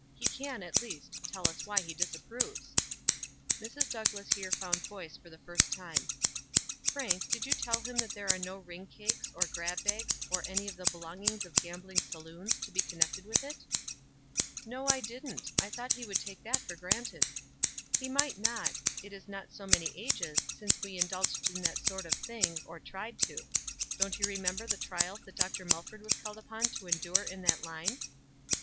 He can, at least, tell us why he disapproves." Mrs. Douglass here found voice for the first time : "Frank, did you tell him that there were no riug cakes, or grab bags, or any of the belong ings of gambling saloons, to be connected with it?" " Xe, I didn't, I thought he would take that for granted." " He might not. It is not so many ages since we indulged in that sort of thing, or tried to. Don't you remember the trials that Dr. Mulford was called upon to endure in that liue?"